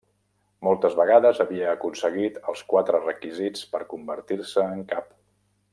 Moltes vegades havia aconseguit els quatre requisits per convertir-se en cap.